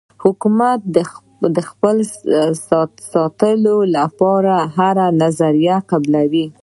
حکومت د خپل ساتلو لپاره هره نظریه قبلوي.